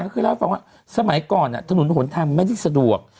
เคยเล่าให้ฟังว่าสมัยก่อนถนนหนทางไม่ได้สะดวก